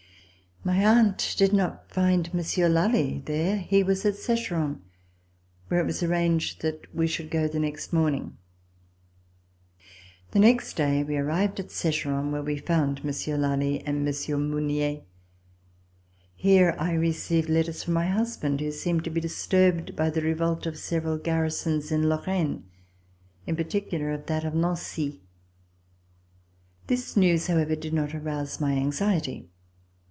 My aunt did not find Monsieur Lally there. He was at Secheron, where it was arranged that we should go the next morning. Ci'9] RECOLLECTIONS OF THE REVOLUTION The next day we arrived at Secheron, where we found Monsieur Lally and Monsieur Mounier. Here I received letters from my husband, who seemed to be disturbed by the revolt of several garrisons in Lor raine — in particular of that of Nancy. This news, however, did not arouse my anxiety.